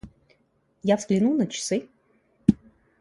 Я взглянул на часы.